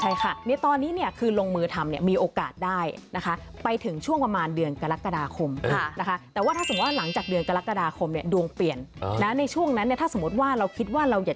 ใช่ค่ะตอนนี้เนี่ยคือลงมือทำเนี่ยมีโอกาสได้นะคะ